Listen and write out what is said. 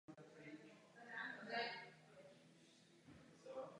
Pro ing. Němce ji upravil architekt Ladislav Syrový.